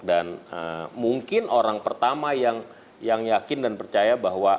dan mungkin orang pertama yang yakin dan percaya bahwa